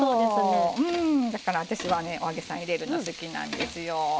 だから私はねお揚げさん入れるの好きなんですよ。